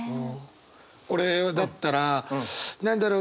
俺だったら何だろう？